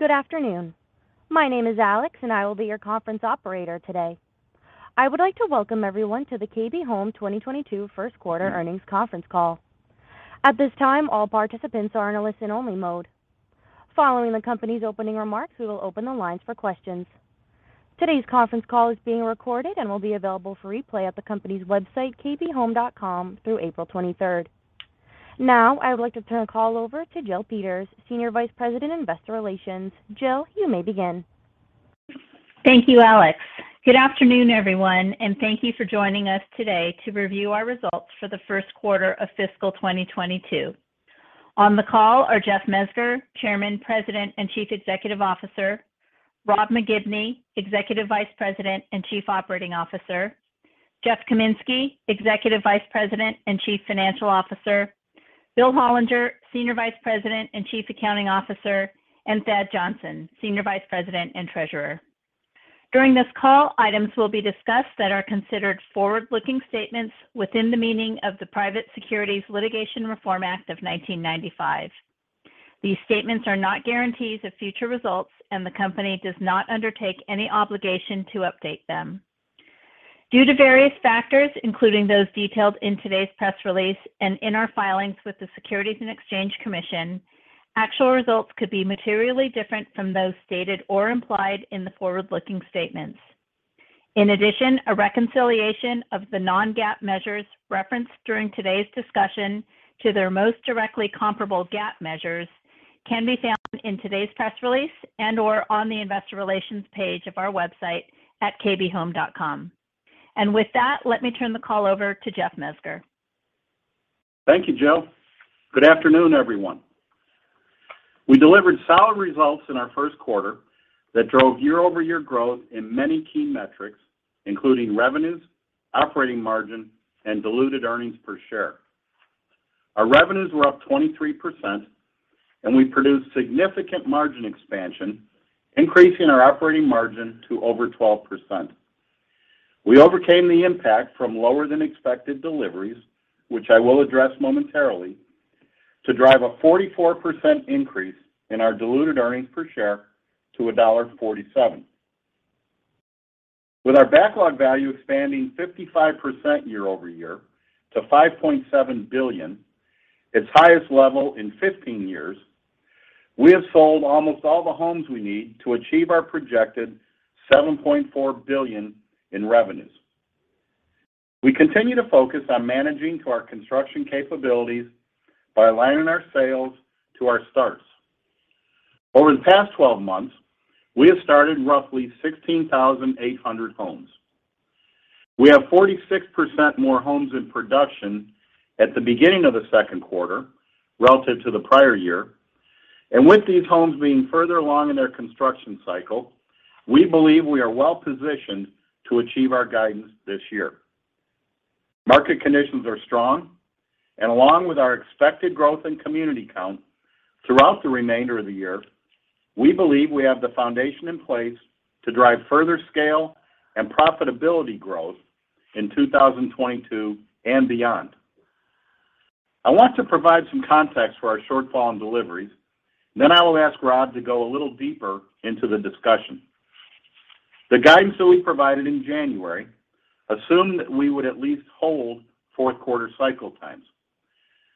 Good afternoon. My name is Alex, and I will be your conference operator today. I would like to welcome everyone to the KB Home 2022 First Quarter Earnings Conference Call. At this time, all participants are in a listen-only mode. Following the company's opening remarks, we will open the lines for questions. Today's conference call is being recorded and will be available for replay at the company's website, kbhome.com, through April 23. Now, I would like to turn the call over to Jill Peters, Senior Vice President, Investor Relations. Jill, you may begin. Thank you, Alex. Good afternoon, everyone, and thank you for joining us today to review our results for the First Quarter of Fiscal 2022. On the call are Jeff Mezger, Chairman, President, and Chief Executive Officer. Rob McGibney, Executive Vice President and Chief Operating Officer. Jeff Kaminski, Executive Vice President and Chief Financial Officer. Bill Hollinger, Senior Vice President and Chief Accounting Officer, and Thad Johnson, Senior Vice President and Treasurer. During this call, items will be discussed that are considered forward-looking statements within the meaning of the Private Securities Litigation Reform Act of 1995. These statements are not guarantees of future results, and the company does not undertake any obligation to update them. Due to various factors, including those detailed in today's press release and in our filings with the Securities and Exchange Commission, actual results could be materially different from those stated or implied in the forward-looking statements. In addition, a reconciliation of the non-GAAP measures referenced during today's discussion to their most directly comparable GAAP measures can be found in today's press release and/or on the investor relations page of our website at kbhome.com. With that, let me turn the call over to Jeff Mezger. Thank you, Jill. Good afternoon, everyone. We delivered solid results in our first quarter that drove year-over-year growth in many key metrics, including revenues, operating margin, and diluted earnings per share. Our revenues were up 23%, and we produced significant margin expansion, increasing our operating margin to over 12%. We overcame the impact from lower than expected deliveries, which I will address momentarily, to drive a 44% increase in our diluted earnings per share to $1.47. With our backlog value expanding 55% year-over-year to $5.7 billion, its highest level in 15 years, we have sold almost all the homes we need to achieve our projected $7.4 billion in revenues. We continue to focus on managing to our construction capabilities by aligning our sales to our starts. Over the past twelve months, we have started roughly 16,800 homes. We have 46% more homes in production at the beginning of the second quarter relative to the prior year. With these homes being further along in their construction cycle, we believe we are well-positioned to achieve our guidance this year. Market conditions are strong, and along with our expected growth in community count throughout the remainder of the year, we believe we have the foundation in place to drive further scale and profitability growth in 2022 and beyond. I want to provide some context for our shortfall in deliveries, then I will ask Rob to go a little deeper into the discussion. The guidance that we provided in January assumed that we would at least hold fourth quarter cycle times.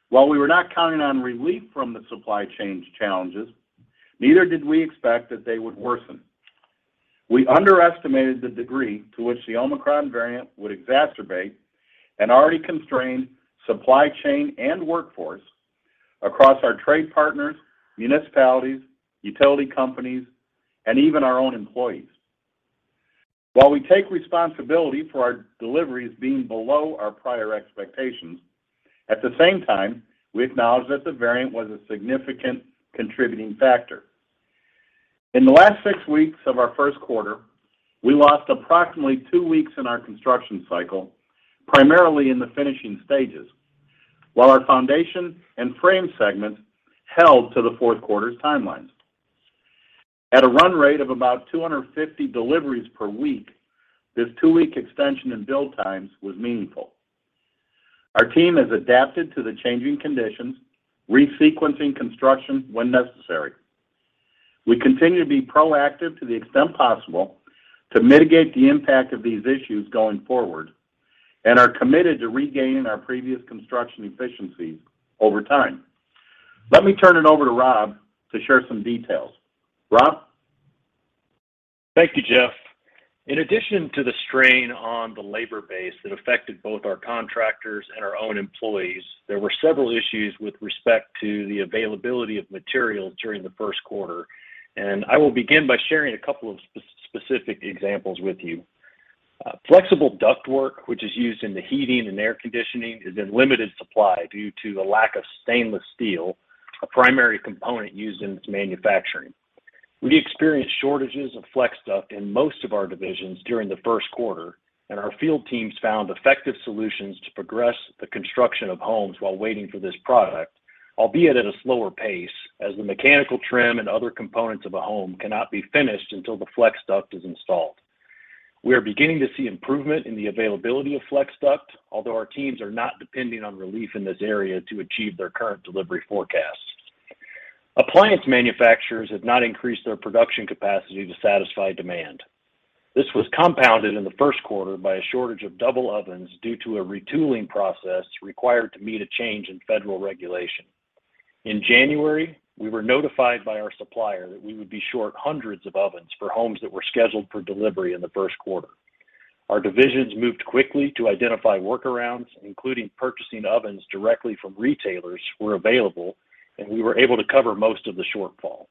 While we were not counting on relief from the supply chain challenges, neither did we expect that they would worsen. We underestimated the degree to which the Omicron variant would exacerbate an already constrained supply chain and workforce across our trade partners, municipalities, utility companies, and even our own employees. While we take responsibility for our deliveries being below our prior expectations, at the same time, we acknowledge that the variant was a significant contributing factor. In the last six weeks of our first quarter, we lost approximately two weeks in our construction cycle, primarily in the finishing stages, while our foundation and frame segments held to the fourth quarter's timelines. At a run rate of about 250 deliveries per week, this two-week extension in build times was meaningful. Our team has adapted to the changing conditions, resequencing construction when necessary. We continue to be proactive to the extent possible to mitigate the impact of these issues going forward and are committed to regaining our previous construction efficiencies over time. Let me turn it over to Rob to share some details. Rob? Thank you, Jeff. In addition to the strain on the labor base that affected both our contractors and our own employees, there were several issues with respect to the availability of materials during the first quarter. I will begin by sharing a couple of spec-specific examples with you. Flexible ductwork, which is used in the heating and air conditioning, is in limited supply due to the lack of stainless steel, a primary component used in its manufacturing. We experienced shortages of flex duct in most of our divisions during the first quarter, and our field teams found effective solutions to progress the construction of homes while waiting for this product, albeit at a slower pace, as the mechanical trim and other components of a home cannot be finished until the flex duct is installed. We are beginning to see improvement in the availability of flex duct, although our teams are not depending on relief in this area to achieve their current delivery forecasts. Appliance manufacturers have not increased their production capacity to satisfy demand. This was compounded in the first quarter by a shortage of double ovens due to a retooling process required to meet a change in federal regulation. In January, we were notified by our supplier that we would be short hundreds of ovens for homes that were scheduled for delivery in the first quarter. Our divisions moved quickly to identify workarounds, including purchasing ovens directly from retailers where available, and we were able to cover most of the shortfall.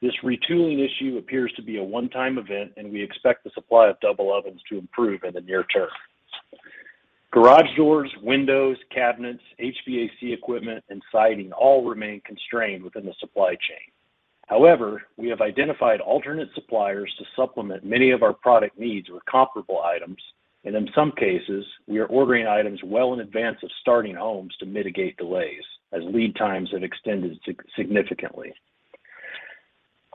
This retooling issue appears to be a one-time event, and we expect the supply of double ovens to improve in the near term. Garage doors, windows, cabinets, HVAC equipment, and siding all remain constrained within the supply chain. However, we have identified alternate suppliers to supplement many of our product needs with comparable items, and in some cases, we are ordering items well in advance of starting homes to mitigate delays as lead times have extended significantly.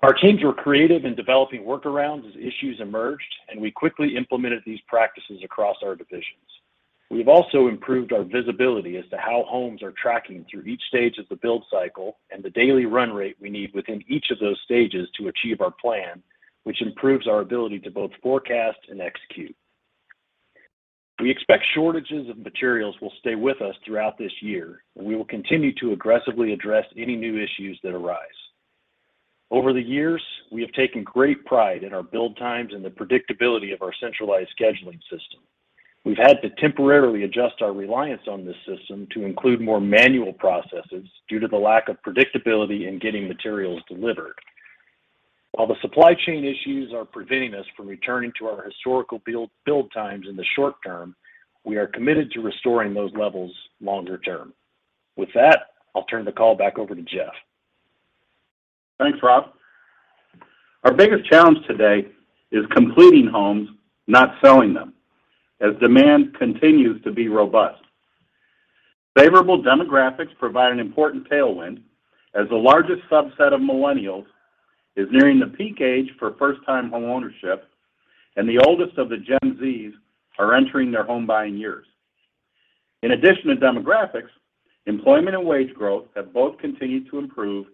Our teams were creative in developing workarounds as issues emerged, and we quickly implemented these practices across our divisions. We've also improved our visibility as to how homes are tracking through each stage of the build cycle and the daily run rate we need within each of those stages to achieve our plan, which improves our ability to both forecast and execute. We expect shortages of materials will stay with us throughout this year, and we will continue to aggressively address any new issues that arise. Over the years, we have taken great pride in our build times and the predictability of our centralized scheduling system. We've had to temporarily adjust our reliance on this system to include more manual processes due to the lack of predictability in getting materials delivered. While the supply chain issues are preventing us from returning to our historical build times in the short term, we are committed to restoring those levels longer term. With that, I'll turn the call back over to Jeff. Thanks, Rob. Our biggest challenge today is completing homes, not selling them, as demand continues to be robust. Favorable demographics provide an important tailwind as the largest subset of millennials is nearing the peak age for first-time homeownership and the oldest of the Gen Zs are entering their home buying years. In addition to demographics, employment and wage growth have both continued to improve,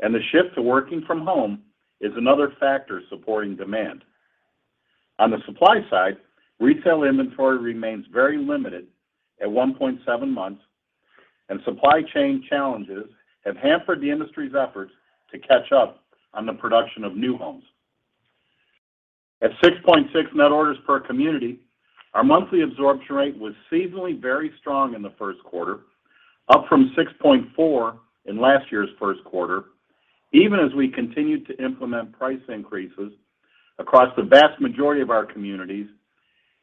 and the shift to working from home is another factor supporting demand. On the supply side, retail inventory remains very limited at 1.7 months, and supply chain challenges have hampered the industry's efforts to catch up on the production of new homes. At 6.6 net orders per community, our monthly absorption rate was seasonally very strong in the first quarter, up from 6.4 in last year's first quarter, even as we continued to implement price increases across the vast majority of our communities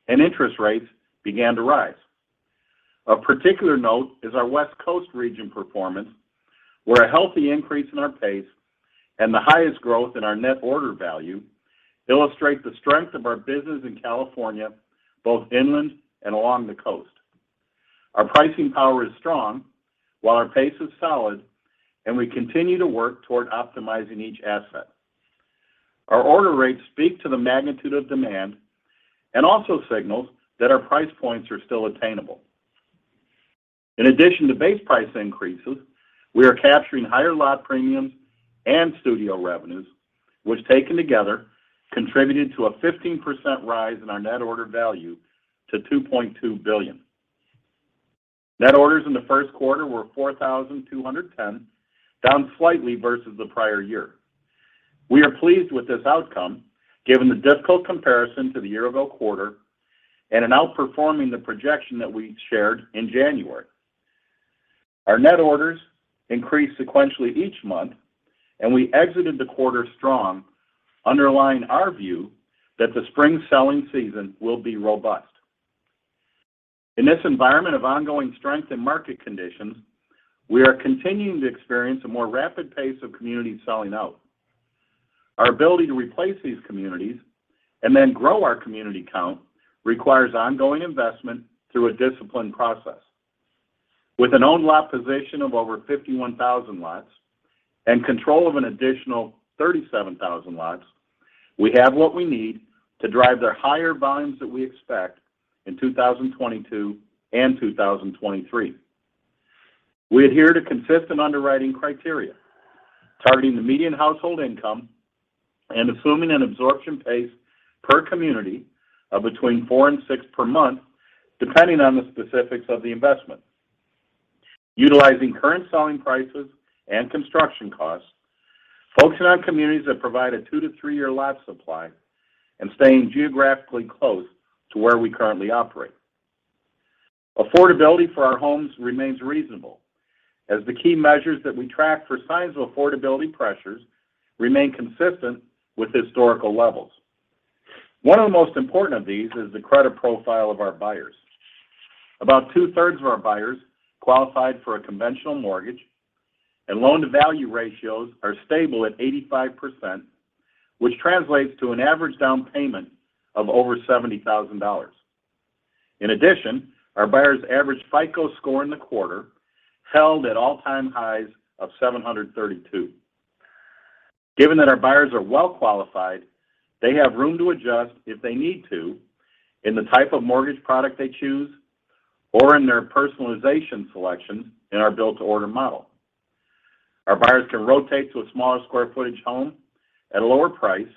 and interest rates began to rise. Of particular note is our West Coast region performance, where a healthy increase in our pace and the highest growth in our net order value illustrate the strength of our business in California, both inland and along the coast. Our pricing power is strong, while our pace is solid, and we continue to work toward optimizing each asset. Our order rates speak to the magnitude of demand and also signals that our price points are still attainable. In addition to base price increases, we are capturing higher lot premiums and option revenues, which taken together contributed to a 15% rise in our net order value to $2.2 billion. Net orders in the first quarter were 4,210, down slightly versus the prior year. We are pleased with this outcome, given the difficult comparison to the year-ago quarter and in outperforming the projection that we shared in January. Our net orders increased sequentially each month, and we exited the quarter strong, underlying our view that the spring selling season will be robust. In this environment of ongoing strength in market conditions, we are continuing to experience a more rapid pace of communities selling out. Our ability to replace these communities and then grow our community count requires ongoing investment through a disciplined process. With an owned lot position of over 51,000 lots and control of an additional 37,000 lots, we have what we need to drive the higher volumes that we expect in 2022 and 2023. We adhere to consistent underwriting criteria, targeting the median household income and assuming an absorption pace per community of between four and six per month, depending on the specifics of the investment, utilizing current selling prices and construction costs, focusing on communities that provide a 2-3-year lot supply and staying geographically close to where we currently operate. Affordability for our homes remains reasonable as the key measures that we track for signs of affordability pressures remain consistent with historical levels. One of the most important of these is the credit profile of our buyers. About two-thirds of our buyers qualified for a conventional mortgage and loan-to-value ratios are stable at 85%, which translates to an average down payment of over $70,000. In addition, our buyers' average FICO score in the quarter held at all-time highs of 732. Given that our buyers are well-qualified, they have room to adjust if they need to in the type of mortgage product they choose or in their personalization selection in our build-to-order model. Our buyers can rotate to a smaller square footage home at a lower price,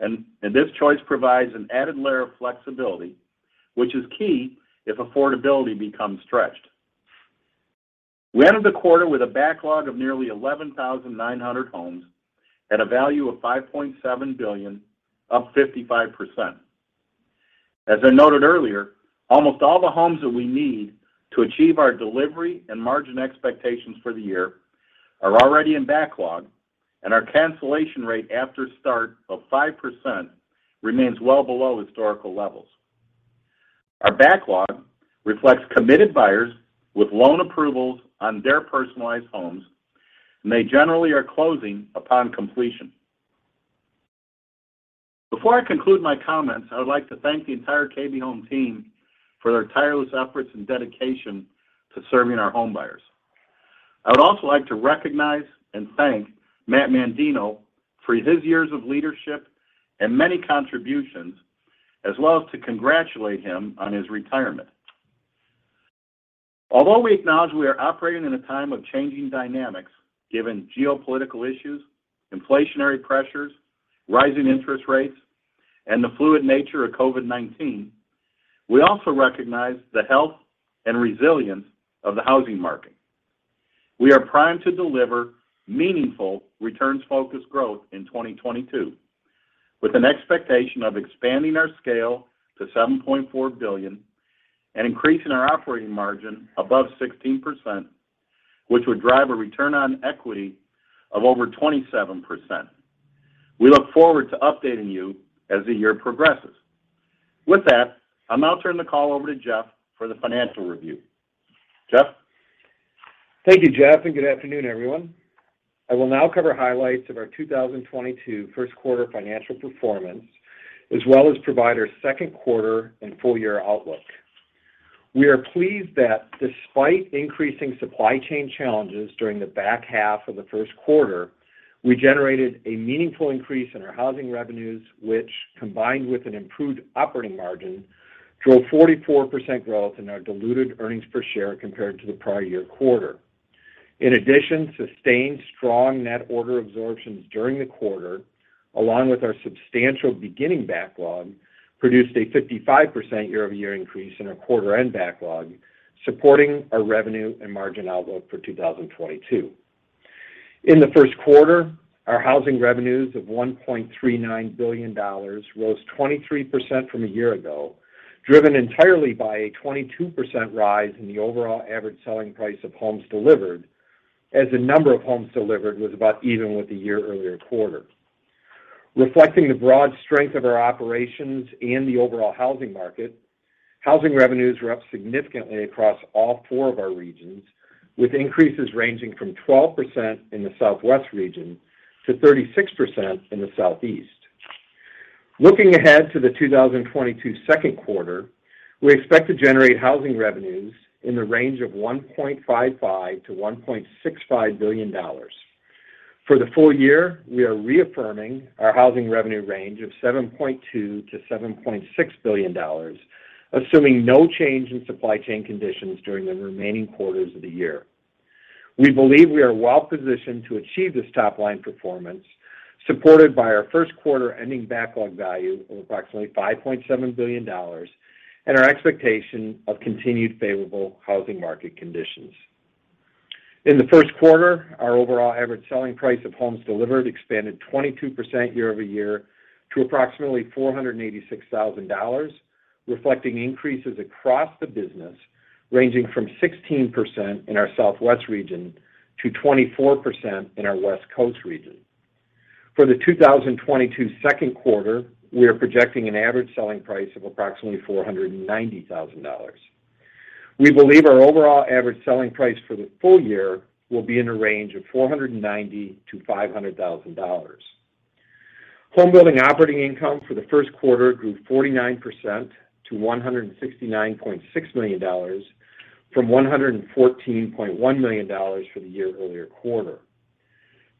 and this choice provides an added layer of flexibility, which is key if affordability becomes stretched. We ended the quarter with a backlog of nearly 11,900 homes at a value of $5.7 billion, up 55%. As I noted earlier, almost all the homes that we need to achieve our delivery and margin expectations for the year are already in backlog, and our cancellation rate after start of 5% remains well below historical levels. Our backlog reflects committed buyers with loan approvals on their personalized homes, and they generally are closing upon completion. Before I conclude my comments, I would like to thank the entire KB Home team for their tireless efforts and dedication to serving our home buyers. I would also like to recognize and thank Matt Mandino for his years of leadership and many contributions, as well as to congratulate him on his retirement. Although we acknowledge we are operating in a time of changing dynamics, given geopolitical issues, inflationary pressures, rising interest rates, and the fluid nature of COVID-19, we also recognize the health and resilience of the housing market. We are primed to deliver meaningful returns-focused growth in 2022, with an expectation of expanding our scale to $7.4 billion and increasing our operating margin above 16%, which would drive a return on equity of over 27%. We look forward to updating you as the year progresses. With that, I'll now turn the call over to Jeff for the financial review. Jeff? Thank you, Jeff, and good afternoon, everyone. I will now cover highlights of our 2022 first quarter financial performance, as well as provide our second quarter and full year outlook. We are pleased that despite increasing supply chain challenges during the back half of the first quarter, we generated a meaningful increase in our housing revenues, which, combined with an improved operating margin, drove 44% growth in our diluted earnings per share compared to the prior year quarter. In addition, sustained strong net order absorptions during the quarter, along with our substantial beginning backlog, produced a 55% year-over-year increase in our quarter end backlog, supporting our revenue and margin outlook for 2022. In the first quarter, our housing revenues of $1.39 billion rose 23% from a year ago, driven entirely by a 22% rise in the overall average selling price of homes delivered, as the number of homes delivered was about even with the year earlier quarter. Reflecting the broad strength of our operations and the overall housing market, housing revenues were up significantly across all four of our regions, with increases ranging from 12% in the Southwest region to 36% in the Southeast. Looking ahead to the 2022 second quarter, we expect to generate housing revenues in the range of $1.55 billion-$1.65 billion. For the full year, we are reaffirming our housing revenue range of $7.2 billion-$7.6 billion, assuming no change in supply chain conditions during the remaining quarters of the year. We believe we are well-positioned to achieve this top-line performance, supported by our first quarter ending backlog value of approximately $5.7 billion and our expectation of continued favorable housing market conditions. In the first quarter, our overall average selling price of homes delivered expanded 22% year-over-year to approximately $486,000, reflecting increases across the business, ranging from 16% in our Southwest region to 24% in our West Coast region. For the 2022 second quarter, we are projecting an average selling price of approximately $490,000. We believe our overall average selling price for the full year will be in a range of $490,000-$500,000. Homebuilding operating income for the first quarter grew 49% to $169.6 million from $114.1 million for the year-earlier quarter.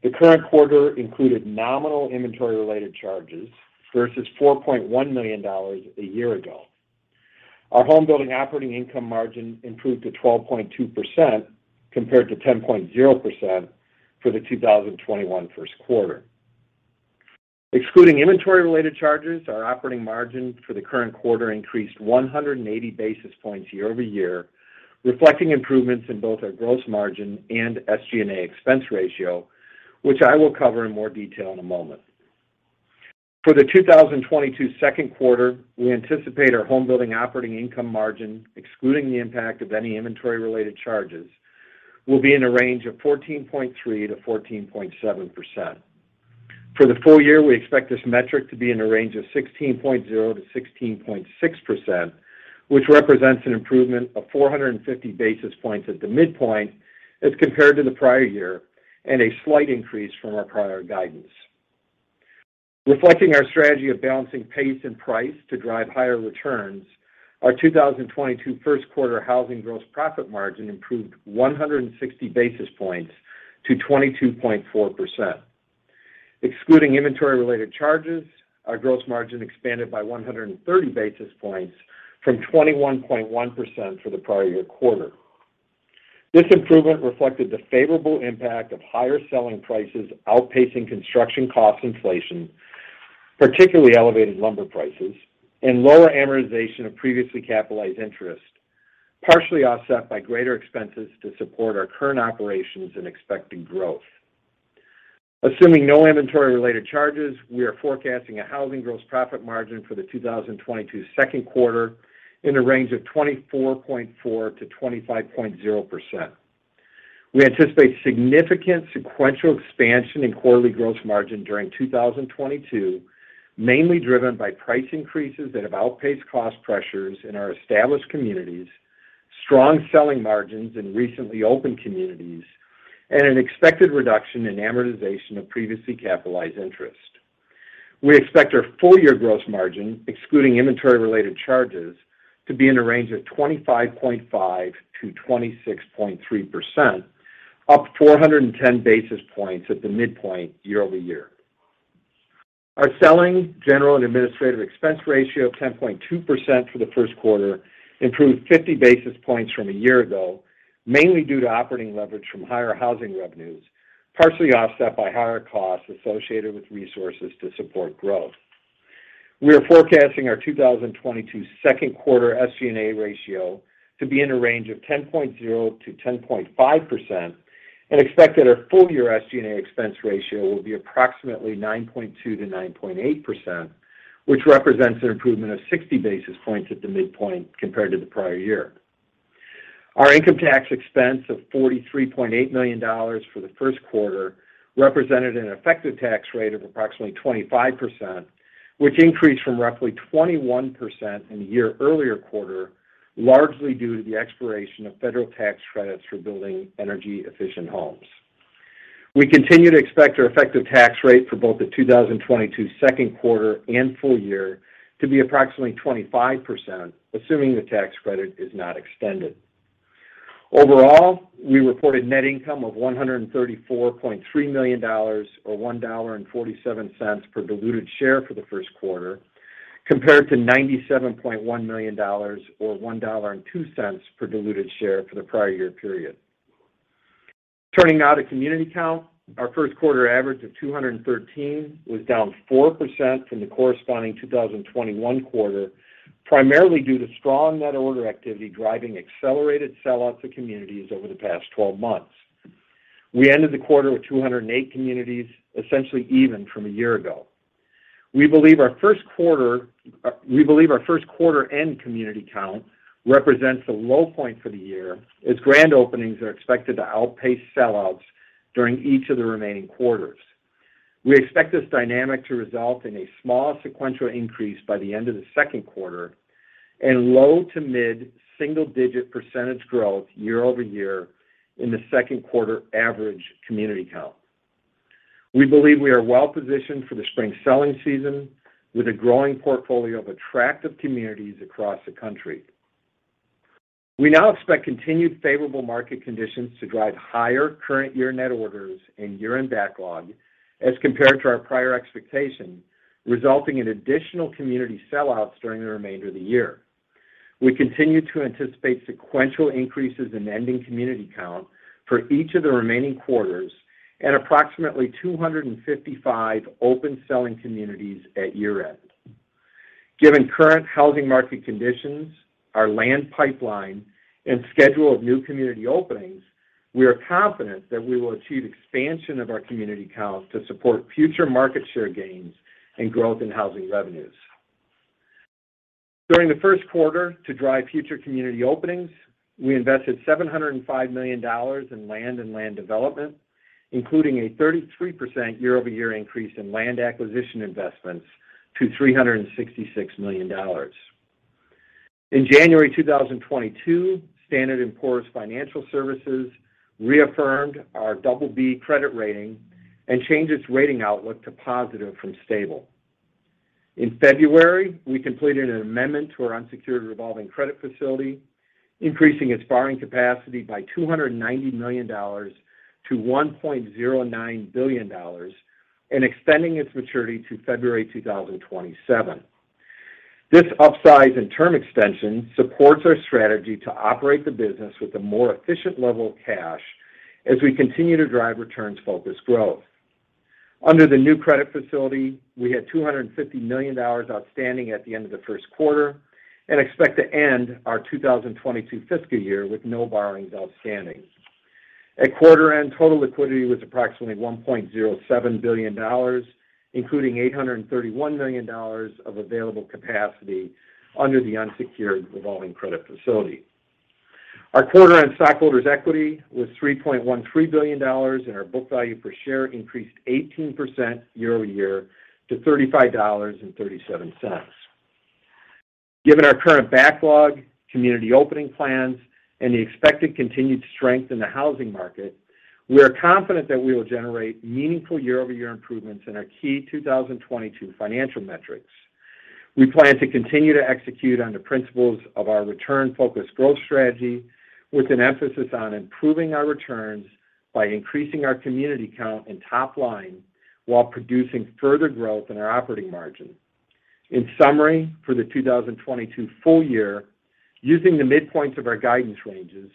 The current quarter included nominal inventory-related charges versus $4.1 million a year ago. Our homebuilding operating income margin improved to 12.2% compared to 10.0% for the 2021 first quarter. Excluding inventory-related charges, our operating margin for the current quarter increased 180 basis points year-over-year, reflecting improvements in both our gross margin and SG&A expense ratio, which I will cover in more detail in a moment. For the 2022 second quarter, we anticipate our homebuilding operating income margin, excluding the impact of any inventory-related charges, will be in a range of 14.3%-14.7%. For the full year, we expect this metric to be in a range of 16.0%-16.6%, which represents an improvement of 450 basis points at the midpoint as compared to the prior year and a slight increase from our prior guidance. Reflecting our strategy of balancing pace and price to drive higher returns, our 2022 first quarter housing gross profit margin improved 160 basis points to 22.4%. Excluding inventory-related charges, our gross margin expanded by 130 basis points from 21.1% for the prior year quarter. This improvement reflected the favorable impact of higher selling prices outpacing construction cost inflation, particularly elevated lumber prices, and lower amortization of previously capitalized interest, partially offset by greater expenses to support our current operations and expecting growth. Assuming no inventory-related charges, we are forecasting a housing gross profit margin for the 2022 second quarter in the range of 24.4%-25.0%. We anticipate significant sequential expansion in quarterly gross margin during 2022, mainly driven by price increases that have outpaced cost pressures in our established communities, strong selling margins in recently opened communities, and an expected reduction in amortization of previously capitalized interest. We expect our full year gross margin, excluding inventory-related charges, to be in the range of 25.5%-26.3%, up 410 basis points at the midpoint year-over-year. Our selling, general, and administrative expense ratio of 10.2% for the first quarter improved 50 basis points from a year ago, mainly due to operating leverage from higher housing revenues, partially offset by higher costs associated with resources to support growth. We are forecasting our 2022 second quarter SG&A ratio to be in a range of 10.0%-10.5% and expect that our full year SG&A expense ratio will be approximately 9.2%-9.8%, which represents an improvement of 60 basis points at the midpoint compared to the prior year. Our income tax expense of $43.8 million for the first quarter represented an effective tax rate of approximately 25%, which increased from roughly 21% in the year earlier quarter, largely due to the expiration of federal tax credits for building energy-efficient homes. We continue to expect our effective tax rate for both the 2022 second quarter and full year to be approximately 25%, assuming the tax credit is not extended. Overall, we reported net income of $134.3 million or $1.47 per diluted share for the first quarter, compared to $97.1 million or $1.02 per diluted share for the prior year period. Turning now to community count, our first quarter average of 213 was down 4% from the corresponding 2021 quarter, primarily due to strong net order activity driving accelerated sellouts of communities over the past 12 months. We ended the quarter with 208 communities, essentially even from a year ago. We believe our first quarter end community count represents the low point for the year as grand openings are expected to outpace sellouts during each of the remaining quarters. We expect this dynamic to result in a small sequential increase by the end of the second quarter and low- to mid-single-digit % growth year-over-year in the second quarter average community count. We believe we are well positioned for the spring selling season with a growing portfolio of attractive communities across the country. We now expect continued favorable market conditions to drive higher current year net orders and year-end backlog as compared to our prior expectation, resulting in additional community sellouts during the remainder of the year. We continue to anticipate sequential increases in ending community count for each of the remaining quarters at approximately 255 open selling communities at year-end. Given current housing market conditions, our land pipeline, and schedule of new community openings, we are confident that we will achieve expansion of our community count to support future market share gains and growth in housing revenues. During the first quarter, to drive future community openings, we invested $705 million in land and land development, including a 33% year-over-year increase in land acquisition investments to $366 million. In January 2022, S&P Global Ratings reaffirmed our BB credit rating and changed its rating outlook to positive from stable. In February, we completed an amendment to our unsecured revolving credit facility, increasing its borrowing capacity by $290 million-$1.09 billion and extending its maturity to February 2027. This upsize and term extension supports our strategy to operate the business with a more efficient level of cash as we continue to drive returns-focused growth. Under the new credit facility, we had $250 million outstanding at the end of the first quarter and expect to end our 2022 fiscal year with no borrowings outstanding. At quarter end, total liquidity was approximately $1.07 billion, including $831 million of available capacity under the unsecured revolving credit facility. Our quarter-end stockholders' equity was $3.13 billion, and our book value per share increased 18% year-over-year to $35.37. Given our current backlog, community opening plans, and the expected continued strength in the housing market, we are confident that we will generate meaningful year-over-year improvements in our key 2022 financial metrics. We plan to continue to execute on the principles of our return focused growth strategy with an emphasis on improving our returns by increasing our community count and top line while producing further growth in our operating margin. In summary, for the 2022 full year, using the midpoints of our guidance ranges,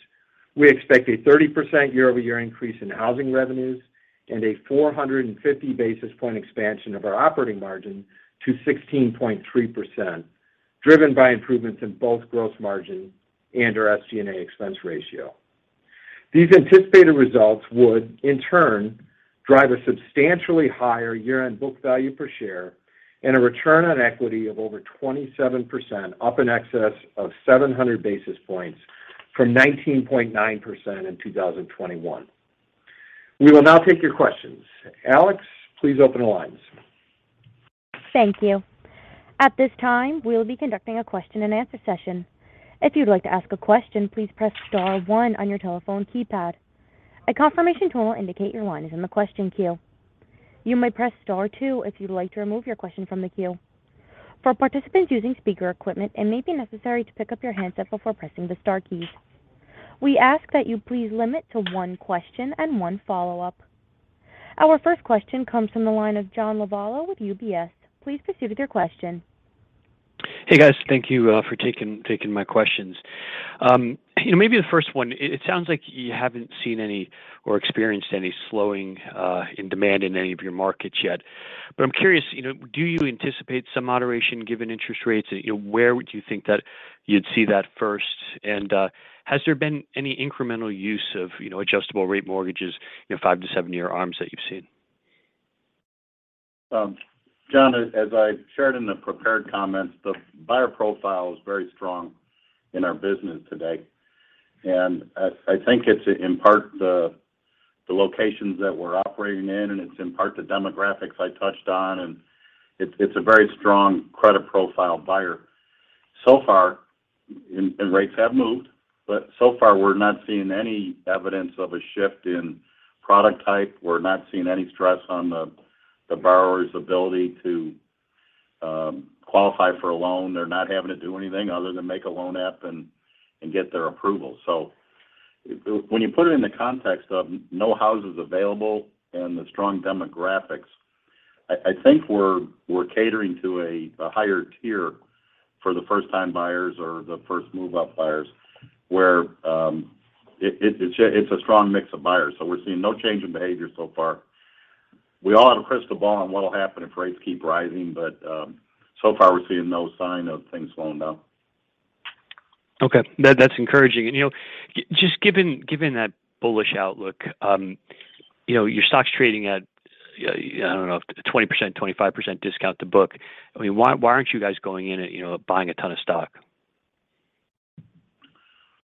we expect a 30% year-over-year increase in housing revenues and a 450 basis point expansion of our operating margin to 16.3%, driven by improvements in both gross margin and our SG&A expense ratio. These anticipated results would in turn drive a substantially higher year-end book value per share and a return on equity of over 27%, up in excess of 700 basis points from 19.9% in 2021. We will now take your questions. Alex, please open the lines. Thank you. At this time, we'll be conducting a question and answer session. If you'd like to ask a question, please press star one on your telephone keypad. A confirmation tone will indicate your line is in the question queue. You may press star two if you'd like to remove your question from the queue. For participants using speaker equipment, it may be necessary to pick up your handset before pressing the star keys. We ask that you please limit to one question and one follow-up. Our first question comes from the line of John Lovallo with UBS. Please proceed with your question. Hey, guys. Thank you for taking my questions. You know, maybe the first one, it sounds like you haven't seen any or experienced any slowing in demand in any of your markets yet. I'm curious, you know, do you anticipate some moderation given interest rates? You know, where would you think that you'd see that first? And has there been any incremental use of, you know, adjustable rate mortgages, you know, 5-7-year ARMs that you've seen? John, as I shared in the prepared comments, the buyer profile is very strong in our business today. I think it's in part the locations that we're operating in, and it's in part the demographics I touched on, and it's a very strong credit profile buyer. So far, rates have moved, but so far we're not seeing any evidence of a shift in product type. We're not seeing any stress on the borrower's ability to qualify for a loan. They're not having to do anything other than make a loan app and get their approval. When you put it in the context of no houses available and the strong demographics, I think we're catering to a higher tier for the first-time buyers or the first move-up buyers, where it's a strong mix of buyers. We're seeing no change in behavior so far. We all have a crystal ball on what'll happen if rates keep rising, but so far we're seeing no sign of things slowing down. Okay. That's encouraging. Just given that bullish outlook, your stock's trading at, I don't know, 20%-25% discount to book. I mean, why aren't you guys going in and buying a ton of stock?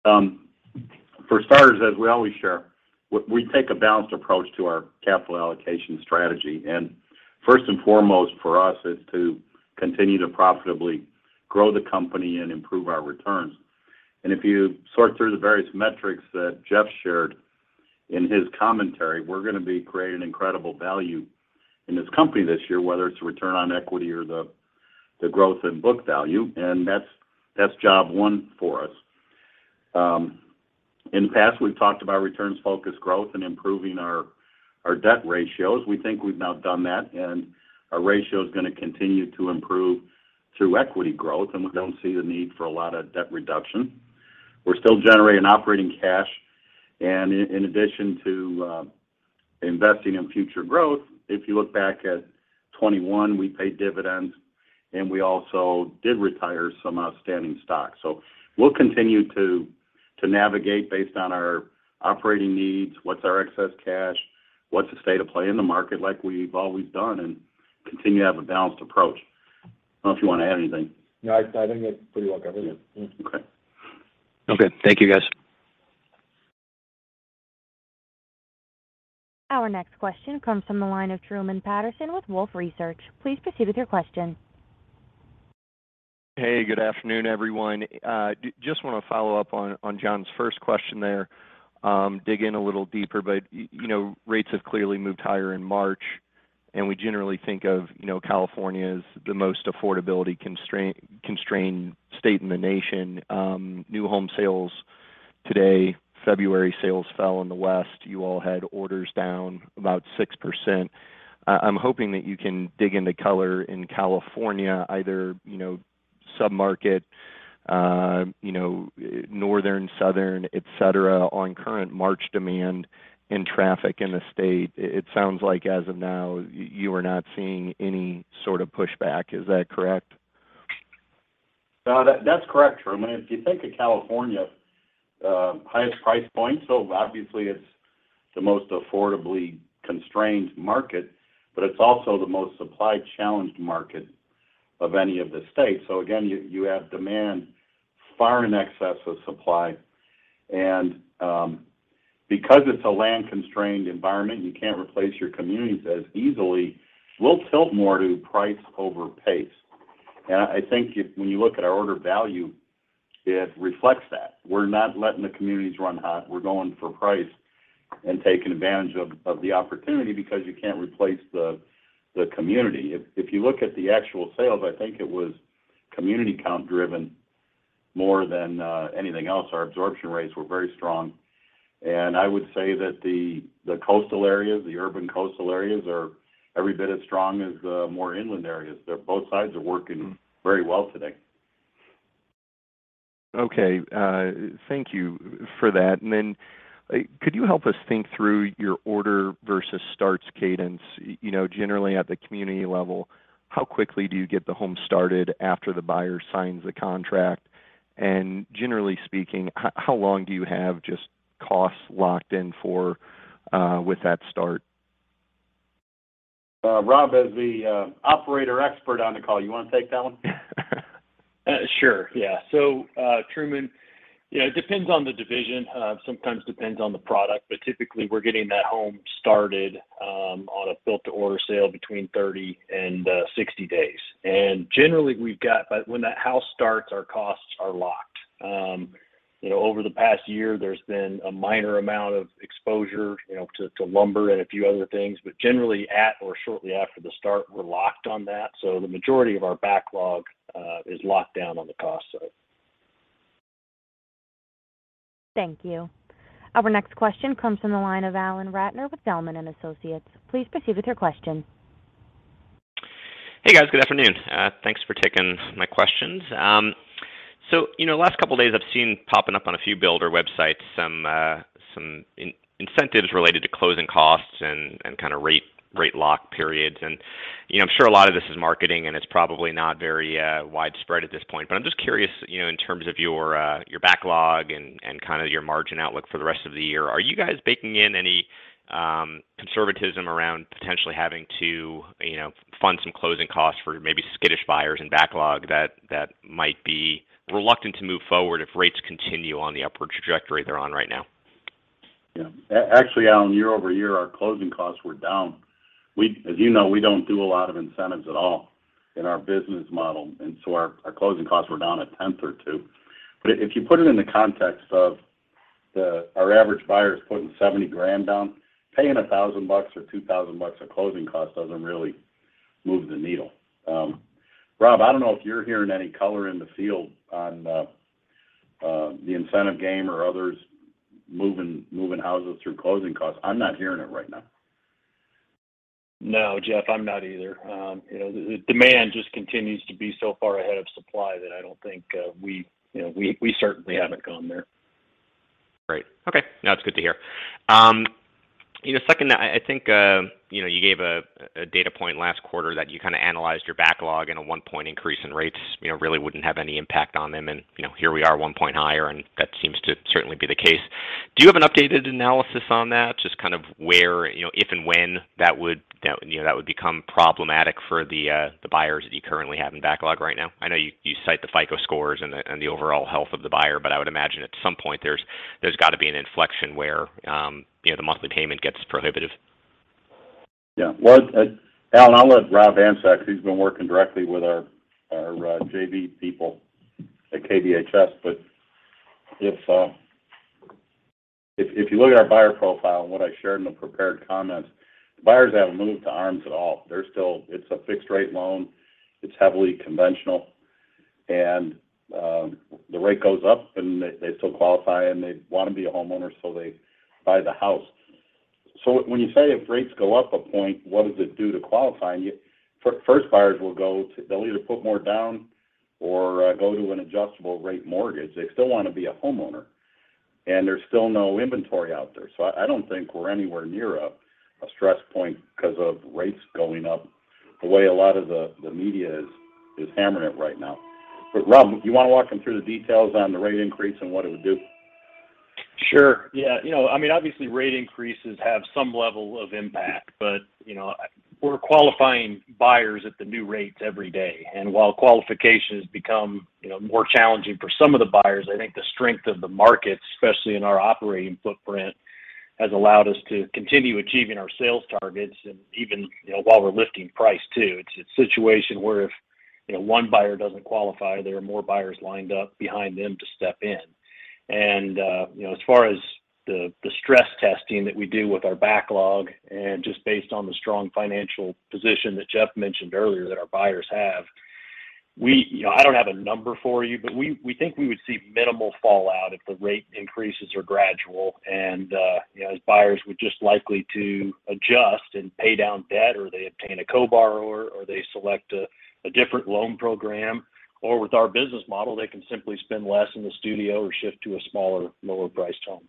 For starters, as we always share, we take a balanced approach to our capital allocation strategy. First and foremost for us is to continue to profitably grow the company and improve our returns. If you sort through the various metrics that Jeff shared in his commentary, we're gonna be creating incredible value in this company this year, whether it's the return on equity or the growth in book value, and that's job one for us. In the past, we've talked about returns-focused growth and improving our debt ratios. We think we've now done that, and our ratio is gonna continue to improve through equity growth, and we don't see the need for a lot of debt reduction. We're still generating operating cash, and in addition to investing in future growth, if you look back at 2021, we paid dividends, and we also did retire some outstanding stock. We'll continue to navigate based on our operating needs, what's our excess cash, what's the state of play in the market like we've always done, and continue to have a balanced approach. I don't know if you wanna add anything. No, I think that's pretty well covered, yeah. Okay. Okay. Thank you, guys. Our next question comes from the line of Truman Patterson with Wolfe Research. Please proceed with your question. Hey, good afternoon, everyone. Just wanna follow up on John's first question there, dig in a little deeper. You know, rates have clearly moved higher in March, and we generally think of, you know, California as the most affordability-constrained state in the nation. New home sales today, February sales fell in the West. You all had orders down about 6%. I'm hoping that you can dig into color in California, either, you know, sub-market, you know, northern, southern, et cetera, on current March demand and traffic in the state. It sounds like as of now, you are not seeing any sort of pushback. Is that correct? No, that's correct, Truman. If you think of California, highest price point, so obviously it's the most affordability constrained market, but it's also the most supply-challenged market of any of the states. You have demand far in excess of supply. Because it's a land-constrained environment, you can't replace your communities as easily. We'll tilt more to price over pace. I think when you look at our order value, it reflects that. We're not letting the communities run hot. We're going for price and taking advantage of the opportunity because you can't replace the community. If you look at the actual sales, I think it was community count driven more than anything else. Our absorption rates were very strong. I would say that the coastal areas, the urban coastal areas are every bit as strong as the more inland areas. They're both sides are working very well today. Okay. Thank you for that. Could you help us think through your order versus starts cadence? You know, generally at the community level, how quickly do you get the home started after the buyer signs the contract? Generally speaking, how long do you have just costs locked in for, with that start? Rob, as the operator expert on the call, you want to take that one? Sure, yeah. Truman, you know, it depends on the division, sometimes depends on the product, but typically, we're getting that home started on a built-to-order sale between 30 and 60 days. Generally, when that house starts, our costs are locked. You know, over the past year, there's been a minor amount of exposure, you know, to lumber and a few other things, but generally at or shortly after the start, we're locked on that. The majority of our backlog is locked down on the cost side. Thank you. Our next question comes from the line of Alan Ratner with Zelman & Associates. Please proceed with your question. Hey, guys. Good afternoon. Thanks for taking my questions. So, you know, the last couple of days I've seen popping up on a few builder websites some incentives related to closing costs and kind of rate lock periods. You know, I'm sure a lot of this is marketing, and it's probably not very widespread at this point. I'm just curious, you know, in terms of your backlog and kind of your margin outlook for the rest of the year. Are you guys baking in any conservatism around potentially having to, you know, fund some closing costs for maybe skittish buyers and backlog that might be reluctant to move forward if rates continue on the upward trajectory they're on right now? Actually, Alan, year-over-year, our closing costs were down. As you know, we don't do a lot of incentives at all in our business model, and so our closing costs were down a tenth or two. If you put it in the context of our average buyer is putting $70,000 down, paying $1,000 or $2,000 of closing costs doesn't really move the needle. Rob, I don't know if you're hearing any color in the field on the incentive game or others moving houses through closing costs. I'm not hearing it right now. No, Jeff, I'm not either. You know, the demand just continues to be so far ahead of supply that I don't think we, you know, certainly haven't gone there. Great. Okay. No, it's good to hear. You know, second, I think you know, you gave a data point last quarter that you kind of analyzed your backlog and a 1-point increase in rates really wouldn't have any impact on them. You know, here we are 1 point higher, and that seems to certainly be the case. Do you have an updated analysis on that? Just kind of where you know, if and when that would become problematic for the buyers that you currently have in backlog right now? I know you cite the FICO scores and the overall health of the buyer, but I would imagine at some point there's got to be an inflection where you know, the monthly payment gets prohibitive. Yeah. Well, Alan, I'll let Rob answer that because he's been working directly with our JV people at KBHS. If you look at our buyer profile and what I shared in the prepared comments, buyers haven't moved to ARMs at all. They're still. It's a fixed rate loan. It's heavily conventional. The rate goes up, and they still qualify, and they want to be a homeowner, so they buy the house. When you say if rates go up a point, what does it do to qualifying? First buyers will go to. They'll either put more down or go to an adjustable rate mortgage. They still want to be a homeowner, and there's still no inventory out there. I don't think we're anywhere near a stress point because of rates going up the way a lot of the media is hammering it right now. But Rob, you want to walk them through the details on the rate increase and what it would do? Sure. Yeah. You know, I mean, obviously rate increases have some level of impact, but, you know, we're qualifying buyers at the new rates every day. While qualification has become, you know, more challenging for some of the buyers, I think the strength of the market, especially in our operating footprint, has allowed us to continue achieving our sales targets and even, you know, while we're lifting price, too. It's a situation where if, you know, one buyer doesn't qualify, there are more buyers lined up behind them to step in. You know, as far as the stress testing that we do with our backlog and just based on the strong financial position that Jeff mentioned earlier that our buyers have, You know, I don't have a number for you, but we think we would see minimal fallout if the rate increases are gradual. As buyers, we're just likely to adjust and pay down debt, or they obtain a co-borrower, or they select a different loan program. With our business model, they can simply spend less in the studio or shift to a smaller, lower-priced home.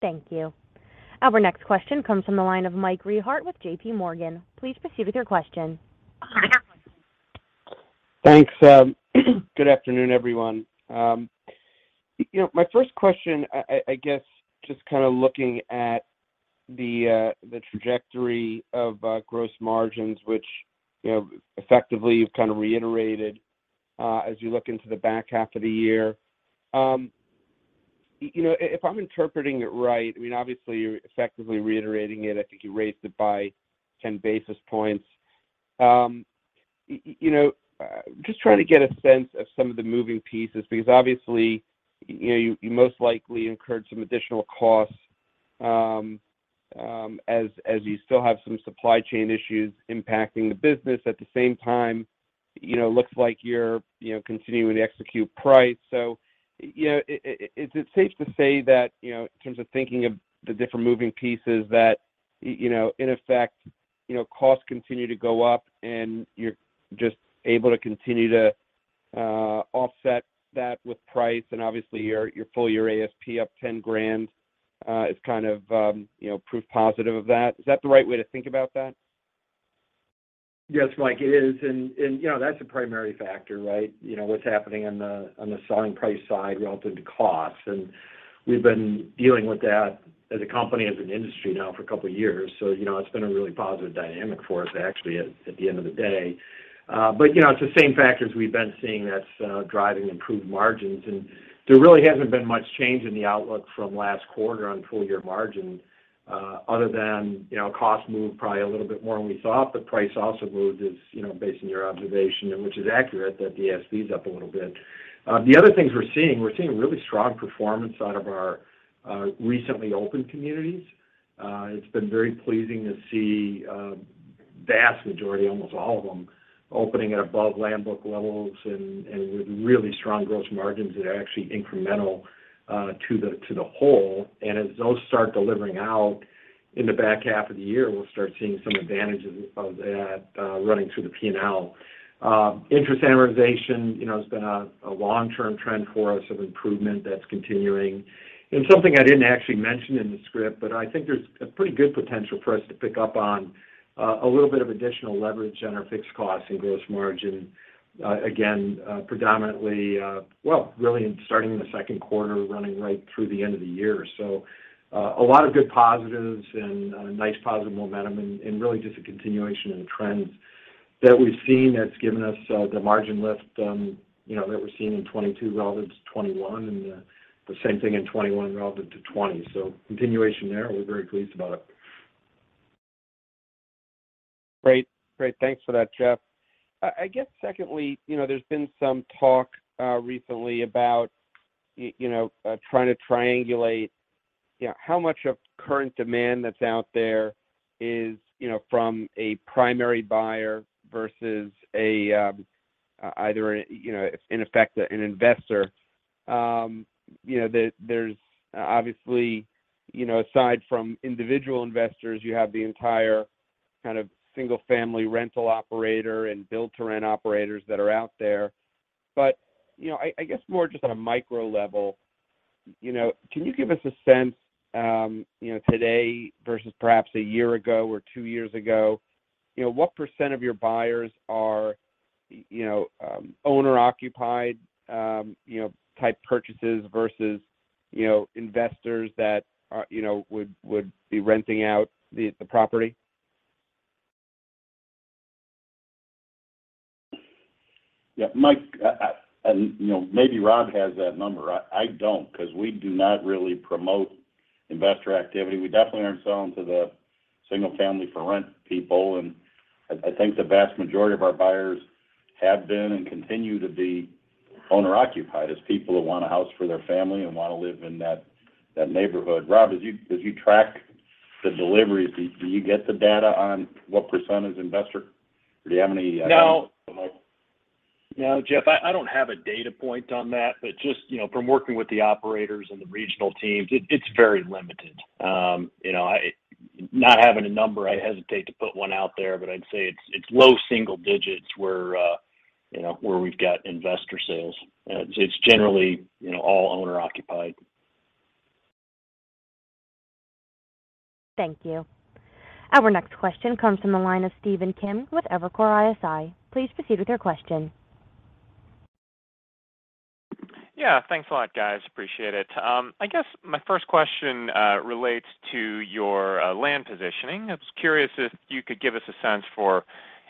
Thank you. Our next question comes from the line of Mike Rehaut with JPMorgan. Please proceed with your question. Thanks. Good afternoon, everyone. You know, my first question, I guess just kind of looking at the trajectory of gross margins, which, you know, effectively you've kind of reiterated as you look into the back half of the year. You know, if I'm interpreting it right, I mean, obviously you're effectively reiterating it. I think you raised it by 10 basis points. You know, just trying to get a sense of some of the moving pieces, because obviously, you know, you most likely incurred some additional costs as you still have some supply chain issues impacting the business. At the same time, you know, looks like you're continuing to execute price. You know, is it safe to say that, you know, in terms of thinking of the different moving pieces that, you know, in effect, you know, costs continue to go up and you're just able to continue to offset that with price and obviously your full year ASP up $10,000 is kind of, you know, proof positive of that? Is that the right way to think about that? Yes, Mike, it is. You know, that's a primary factor, right? You know, what's happening on the selling price side relative to cost. We've been dealing with that as a company, as an industry now for a couple of years. You know, it's been a really positive dynamic for us, actually, at the end of the day. You know, it's the same factors we've been seeing that's driving improved margins. There really hasn't been much change in the outlook from last quarter on full year margin, other than, you know, cost moved probably a little bit more than we thought, but price also moved as, you know, based on your observation and which is accurate, that the ASP is up a little bit. The other things we're seeing really strong performance out of our recently opened communities. It's been very pleasing to see vast majority, almost all of them opening at above land book levels and with really strong gross margins that are actually incremental to the whole. As those start delivering out in the back half of the year, we'll start seeing some advantages of that running through the P&L. Interest amortization you know has been a long-term trend for us of improvement that's continuing. Something I didn't actually mention in the script, but I think there's a pretty good potential for us to pick up on a little bit of additional leverage on our fixed costs and gross margin, again, predominantly, well, really starting in the second quarter, running right through the end of the year. A lot of good positives and nice positive momentum and really just a continuation in trends that we've seen that's given us the margin lift, you know, that we're seeing in 2022 relative to 2021 and the same thing in 2021 relative to 2020. Continuation there. We're very pleased about it. Great. Thanks for that, Jeff. I guess secondly, you know, there's been some talk recently about, you know, trying to triangulate, you know, how much of current demand that's out there is, you know, from a primary buyer versus a, either, you know, in effect an investor. You know, there's obviously, you know, aside from individual investors, you have the entire kind of single-family rental operator and build-to-rent operators that are out there. You know, I guess more just on a micro level, you know, can you give us a sense, you know, today versus perhaps a year ago or two years ago, you know, what percent of your buyers are, you know, owner-occupied, you know, type purchases versus, you know, investors that are, you know, would be renting out the property? Yeah, Mike, you know, maybe Rob has that number. I don't, because we do not really promote investor activity. We definitely aren't selling to the single family for rent people. I think the vast majority of our buyers have been and continue to be owner-occupied. It's people who want a house for their family and want to live in that neighborhood. Rob, did you track the deliveries? Do you get the data on what percent is investor? Or do you have any No. Mike? No, Jeff, I don't have a data point on that. Just, you know, from working with the operators and the regional teams, it's very limited. You know, not having a number, I hesitate to put one out there, but I'd say it's low single digits where, you know, where we've got investor sales. It's generally, you know, all owner occupied. Thank you. Our next question comes from the line of Stephen Kim with Evercore ISI. Please proceed with your question. Yeah. Thanks a lot, guys. Appreciate it. I guess my first question relates to your land positioning. I was curious if you could give us a sense for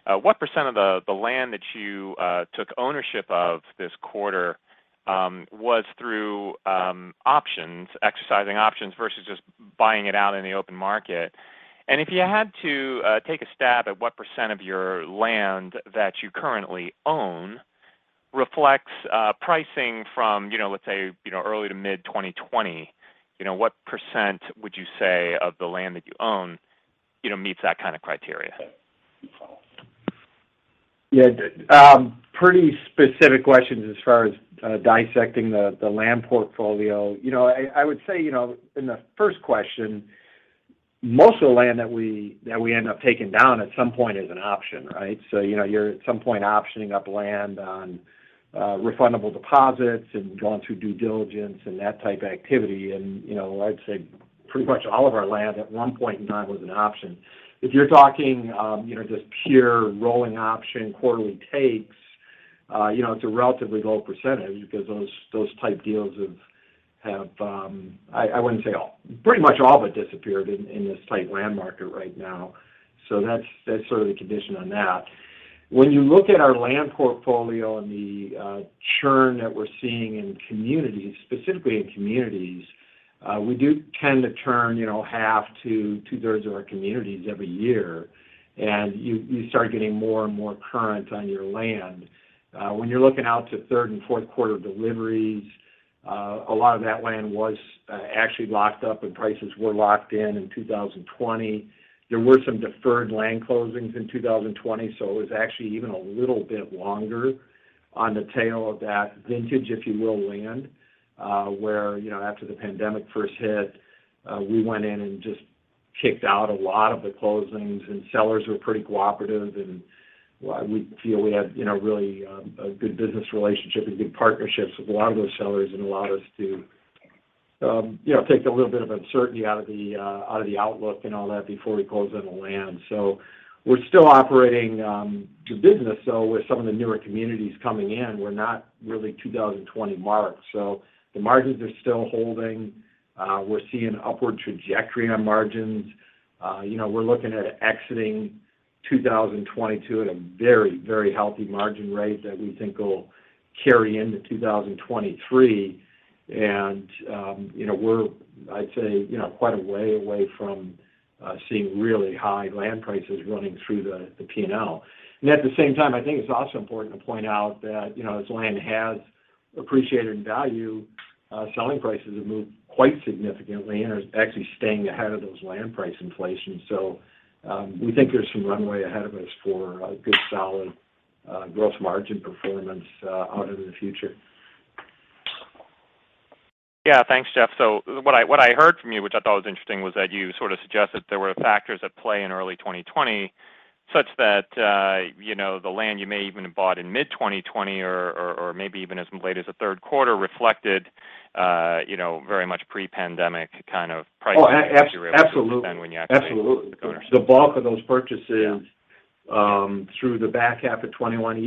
what % of the land that you took ownership of this quarter was through options, exercising options versus just buying it out in the open market. If you had to take a stab at what % of your land that you currently own reflects pricing from, you know, let's say, you know, early to mid-2020, you know, what % would you say of the land that you own, you know, meets that kind of criteria? Yeah. Pretty specific questions as far as dissecting the land portfolio. You know, I would say, you know, in the first question, most of the land that we end up taking down at some point is an option, right? You know, you're at some point optioning up land on refundable deposits and going through due diligence and that type activity. You know, I'd say pretty much all of our land at one point in time was an option. If you're talking, you know, just pure rolling option quarterly takes. You know, it's a relatively low percentage because those type deals have I wouldn't say all, pretty much all but disappeared in this tight land market right now. That's sort of the condition on that. When you look at our land portfolio and the churn that we're seeing in communities, specifically, we do tend to turn, you know, half to two-thirds of our communities every year. You start getting more and more current on your land. When you're looking out to third- and fourth-quarter deliveries, a lot of that land was actually locked up and prices were locked in in 2020. There were some deferred land closings in 2020, so it was actually even a little bit longer on the tail of that vintage, if you will, land, where, you know, after the pandemic first hit, we went in and just kicked out a lot of the closings, and sellers were pretty cooperative. We feel we had, you know, really, a good business relationship and good partnerships with a lot of those sellers. It allowed us to, you know, take a little bit of uncertainty out of the outlook and all that before we closed on the land. We're still operating the business, though, with some of the newer communities coming in. We're not really 2020-marked. The margins are still holding. We're seeing upward trajectory on margins. You know, we're looking at exiting 2022 at a very, very healthy margin rate that we think will carry into 2023. You know, we're, I'd say, you know, quite a way away from seeing really high land prices running through the P&L. At the same time, I think it's also important to point out that, you know, as land has appreciated in value, selling prices have moved quite significantly and are actually staying ahead of those land price inflations. We think there's some runway ahead of us for good, solid gross margin performance out into the future. Yeah. Thanks, Jeff. What I heard from you, which I thought was interesting, was that you sort of suggested there were factors at play in early 2020 such that, you know, the land you may even have bought in mid-2020 or maybe even as late as the third quarter reflected, you know, very much pre-pandemic kind of pricing that you were able to spend when you actually. Oh, absolutely. Purchased? The bulk of those purchases through the back half of 2020,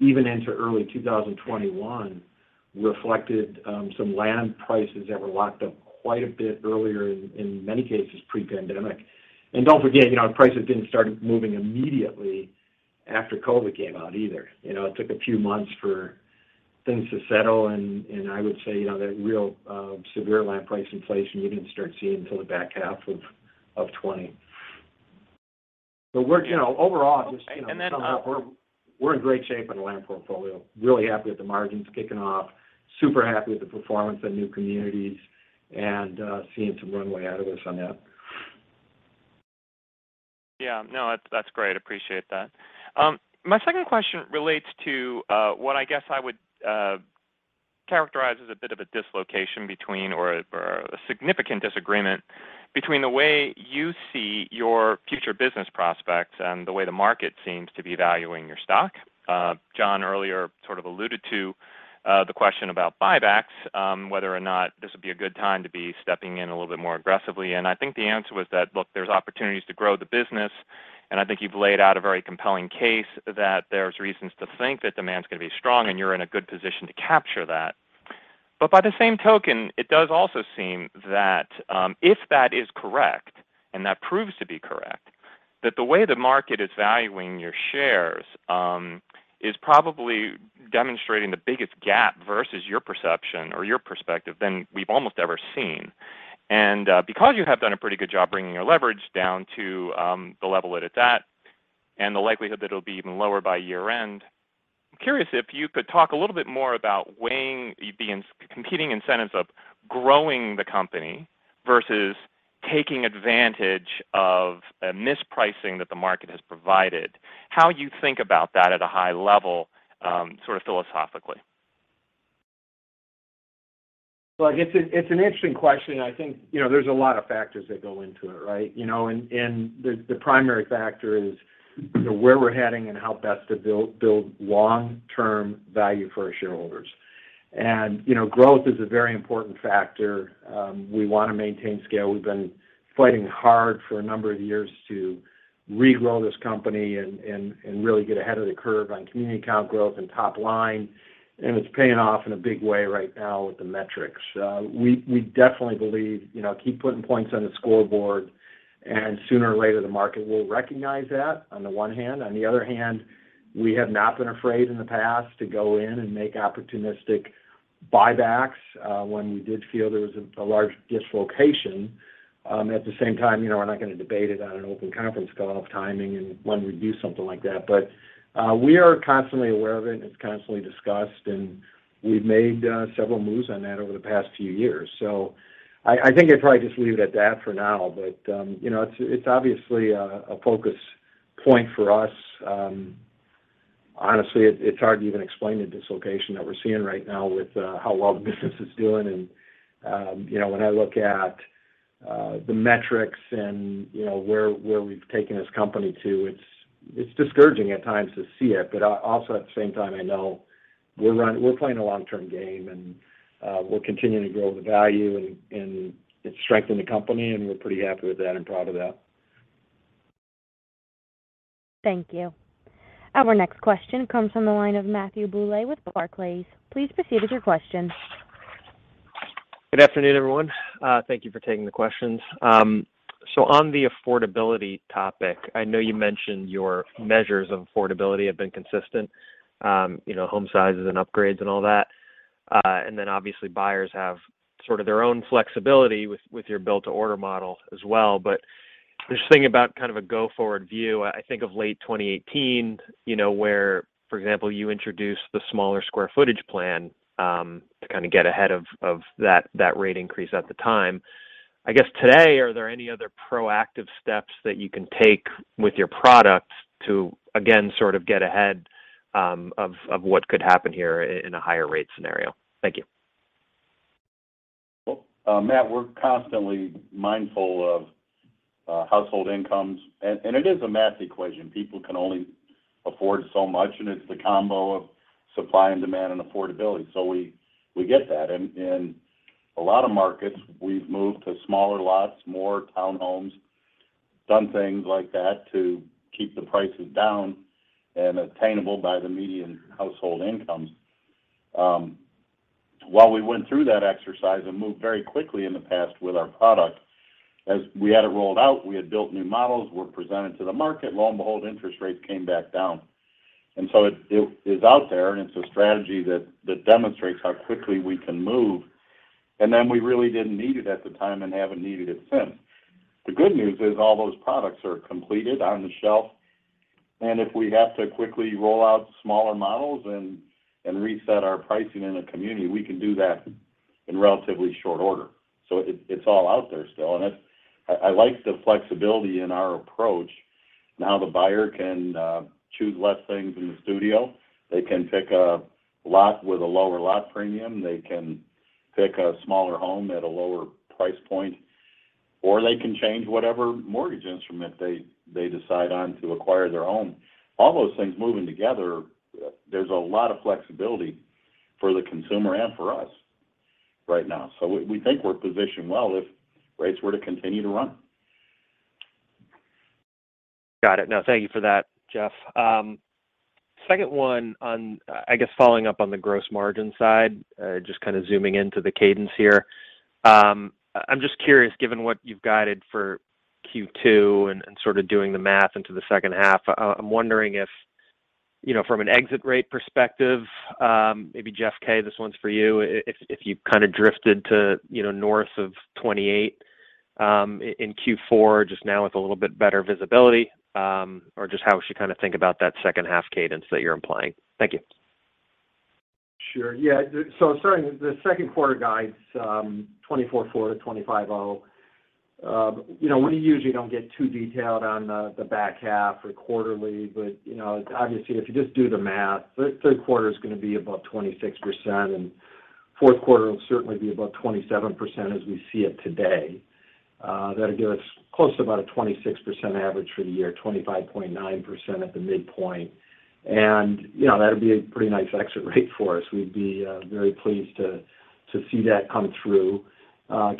even into early 2021, reflected some land prices that were locked up quite a bit earlier, in many cases pre-pandemic. Don't forget, you know, prices didn't start moving immediately after COVID came out either. You know, it took a few months for things to settle, and I would say, you know, the real severe land price inflation you didn't start seeing until the back half of 2020. We're, you know, overall- Okay. Just, you know, summing up, we're in great shape on the land portfolio. Really happy with the margins kicking off. Super happy with the performance of new communities and seeing some runway ahead of us on that. Yeah. No, that's great. Appreciate that. My second question relates to what I guess I would characterize as a bit of a dislocation between or a significant disagreement between the way you see your future business prospects and the way the market seems to be valuing your stock. John earlier sort of alluded to the question about buybacks, whether or not this would be a good time to be stepping in a little bit more aggressively, and I think the answer was that, look, there's opportunities to grow the business, and I think you've laid out a very compelling case that there's reasons to think that demand's gonna be strong, and you're in a good position to capture that. By the same token, it does also seem that, if that is correct, and that proves to be correct, that the way the market is valuing your shares is probably demonstrating the biggest gap versus your perception or your perspective than we've almost ever seen. Because you have done a pretty good job bringing your leverage down to the level that it's at and the likelihood that it'll be even lower by year-end, I'm curious if you could talk a little bit more about weighing the competing incentives of growing the company versus taking advantage of a mispricing that the market has provided, how you think about that at a high level, sort of philosophically. Look, it's an interesting question. I think, you know, there's a lot of factors that go into it, right? You know, the primary factor is, you know, where we're heading and how best to build long-term value for our shareholders. You know, growth is a very important factor. We wanna maintain scale. We've been fighting hard for a number of years to regrow this company and really get ahead of the curve on community count growth and top line, and it's paying off in a big way right now with the metrics. We definitely believe, you know, keep putting points on the scoreboard, and sooner or later the market will recognize that, on the one hand. On the other hand, we have not been afraid in the past to go in and make opportunistic buybacks, when we did feel there was a large dislocation. At the same time, you know, we're not gonna debate it on an open conference call on the timing and when we'd do something like that. We are constantly aware of it, and it's constantly discussed, and we've made several moves on that over the past few years. I think I'd probably just leave it at that for now. You know, it's obviously a focus point for us. Honestly, it's hard to even explain the dislocation that we're seeing right now with how well the business is doing. You know, when I look at the metrics and, you know, where we've taken this company to, it's discouraging at times to see it. Also at the same time, I know we're playing a long-term game, and we're continuing to grow the value and strengthen the company, and we're pretty happy with that and proud of that. Thank you. Our next question comes from the line of Matthew Bouley with Barclays. Please proceed with your question. Good afternoon, everyone. Thank you for taking the questions. So on the affordability topic, I know you mentioned your measures of affordability have been consistent, you know, home sizes and upgrades and all that. And then obviously buyers have sort of their own flexibility with your build-to-order model as well. Just thinking about kind of a go-forward view, I think of late 2018, you know, where, for example, you introduced the smaller square footage plan, to kind of get ahead of that rate increase at the time. I guess today, are there any other proactive steps that you can take with your products to, again, sort of get ahead of what could happen here in a higher rate scenario? Thank you. Well, Matt, we're constantly mindful of household incomes. it is a math equation. People can only afford so much, and it's the combo of supply and demand and affordability. we get that. In a lot of markets, we've moved to smaller lots, more townhomes, done things like that to keep the prices down and attainable by the median household incomes. while we went through that exercise and moved very quickly in the past with our product, as we had it rolled out, we had built new models, we're presented to the market, lo and behold, interest rates came back down. it is out there, and it's a strategy that demonstrates how quickly we can move. then we really didn't need it at the time and haven't needed it since. The good news is all those products are completed on the shelf, and if we have to quickly roll out smaller models and reset our pricing in a community, we can do that in relatively short order. It's all out there still. I like the flexibility in our approach. Now the buyer can choose less things in the studio. They can pick a lot with a lower lot premium. They can pick a smaller home at a lower price point, or they can change whatever mortgage instrument they decide on to acquire their home. All those things moving together, there's a lot of flexibility for the consumer and for us right now. We think we're positioned well if rates were to continue to run. Got it. No, thank you for that, Jeff. Second one on, I guess, following up on the gross margin side, just kind of zooming into the cadence here. I'm just curious, given what you've guided for Q2 and sort of doing the math into the second half, I'm wondering if, you know, from an exit rate perspective, maybe Jeff K, this one's for you, if you've kind of drifted to, you know, north of 28%, in Q4 just now with a little bit better visibility, or just how we should kind of think about that second-half cadence that you're implying. Thank you. Sure. Yeah. Starting with the second quarter guides, 24.4%-25.0%. You know, we usually don't get too detailed on the back half or quarterly, but you know, obviously, if you just do the math, third quarter is going to be above 26%, and fourth quarter will certainly be above 27% as we see it today. That'll give us close to about a 26% average for the year, 25.9% at the midpoint. You know, that'd be a pretty nice exit rate for us. We'd be very pleased to see that come through.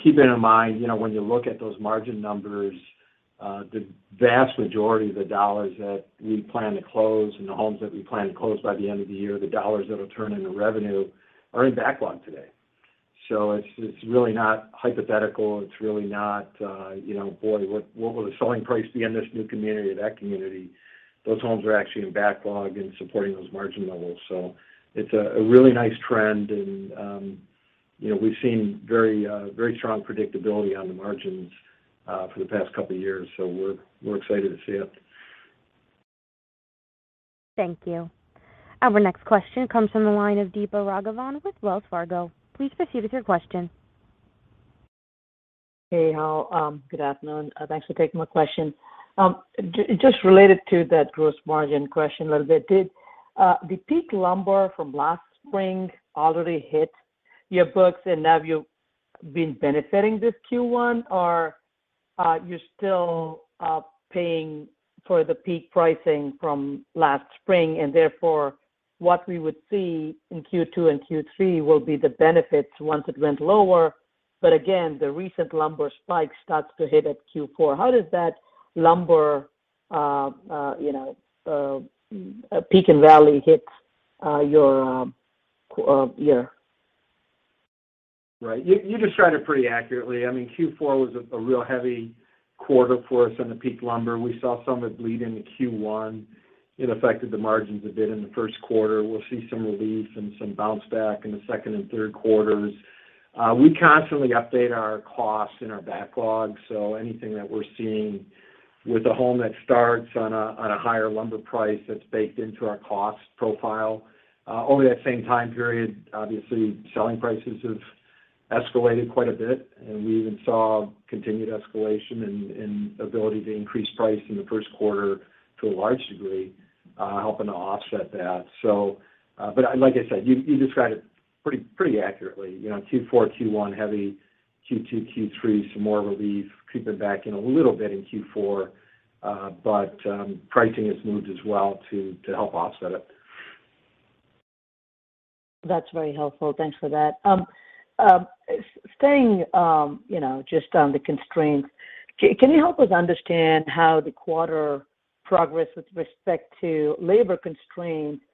Keeping in mind, you know, when you look at those margin numbers, the vast majority of the dollars that we plan to close and the homes that we plan to close by the end of the year, the dollars that'll turn into revenue are in backlog today. So it's really not hypothetical. It's really not, you know, boy, what will the selling price be in this new community or that community? Those homes are actually in backlog and supporting those margin levels. So it's a really nice trend and, you know, we've seen very strong predictability on the margins for the past couple of years. So we're excited to see it. Thank you. Our next question comes from the line of Deepa Raghavan with Wells Fargo. Please proceed with your question. Hey, all. Good afternoon. Thanks for taking my question. Just related to that gross margin question a little bit. Did the peak lumber from last spring already hit your books and have you been benefiting this Q1 or you're still paying for the peak pricing from last spring and therefore what we would see in Q2 and Q3 will be the benefits once it went lower. Again, the recent lumber spike starts to hit at Q4. How does that lumber, you know, peak and valley hit your year? Right. You described it pretty accurately. I mean, Q4 was a real heavy quarter for us on the peak lumber. We saw some of it bleed into Q1. It affected the margins a bit in the first quarter. We'll see some relief and some bounce back in the second and third quarters. We constantly update our costs and our backlogs, so anything that we're seeing with a home that starts on a higher lumber price that's baked into our cost profile. Over that same time period, obviously, selling prices have escalated quite a bit, and we even saw continued escalation and ability to increase price in the first quarter to a large degree, helping to offset that. Like I said, you described it pretty accurately. You know, Q4, Q1, heavy. Q2, Q3, some more relief. Creeping back in a little bit in Q4. Pricing has moved as well to help offset it. That's very helpful. Thanks for that. Staying, you know, just on the constraints, can you help us understand how the quarter progressed with respect to labor constraints?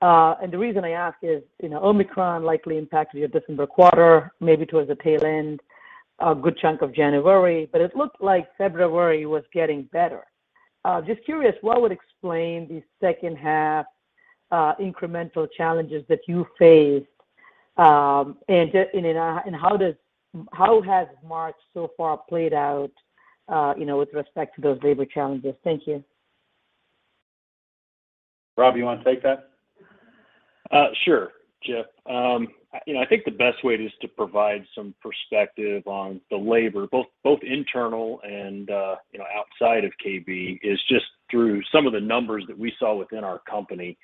The reason I ask is, you know, Omicron likely impacted your December quarter, maybe towards the tail end, a good chunk of January, but it looked like February was getting better. Just curious what would explain the second half, incremental challenges that you faced, and how has March so far played out, you know, with respect to those labor challenges? Thank you. Rob, you want to take that? Sure, Jeff. You know, I think the best way is to provide some perspective on the labor, both internal and, you know, outside of KB, is just through some of the numbers that we saw within our company.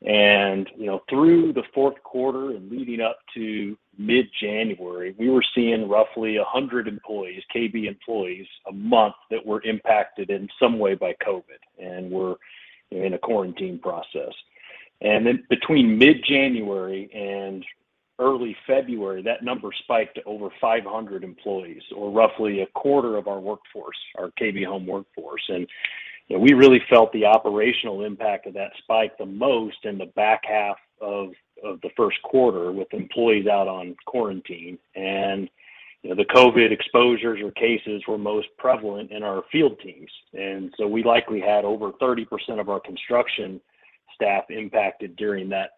You know, through the fourth quarter and leading up to mid-January, we were seeing roughly 100 employees, KB employees, a month that were impacted in some way by COVID and were, you know, in a quarantine process. Then between mid-January and early February, that number spiked to over 500 employees or roughly a quarter of our workforce, our KB Home workforce. You know, we really felt the operational impact of that spike the most in the back half of the first quarter with employees out on quarantine. You know, the COVID exposures or cases were most prevalent in our field teams. We likely had over 30% of our construction staff impacted during that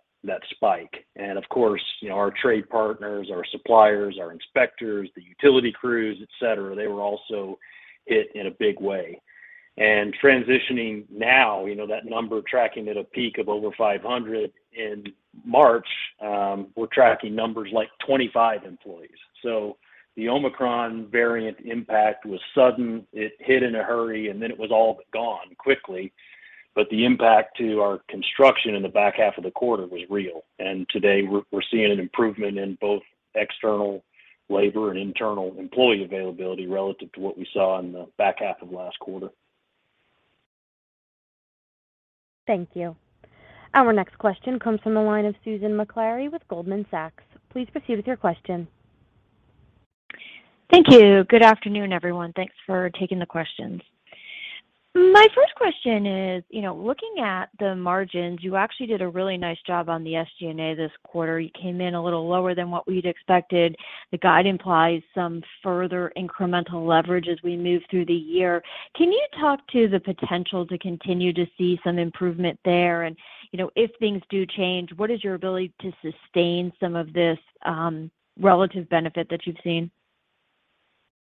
spike. Of course, you know, our trade partners, our suppliers, our inspectors, the utility crews, et cetera, they were also hit in a big way. Transitioning now, you know, that number tracking at a peak of over 500 in March, we're tracking numbers like 25 employees. The Omicron variant impact was sudden. It hit in a hurry, and then it was all but gone quickly. The impact to our construction in the back half of the quarter was real. Today we're seeing an improvement in both external labor and internal employee availability relative to what we saw in the back half of last quarter. Thank you. Our next question comes from the line of Susan Maklari with Goldman Sachs. Please proceed with your question. Thank you. Good afternoon, everyone. Thanks for taking the questions. My first question is, you know, looking at the margins, you actually did a really nice job on the SG&A this quarter. You came in a little lower than what we'd expected. The guide implies some further incremental leverage as we move through the year. Can you talk to the potential to continue to see some improvement there? You know, if things do change, what is your ability to sustain some of this relative benefit that you've seen?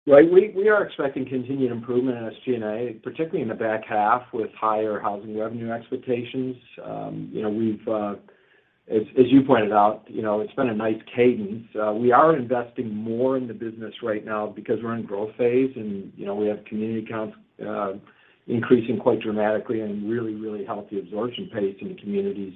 Right. We are expecting continued improvement in SG&A, particularly in the back half with higher housing revenue expectations. You know, as you pointed out, you know, it's been a nice cadence. We are investing more in the business right now because we're in growth phase and, you know, we have community counts increasing quite dramatically and really healthy absorption pace in the communities,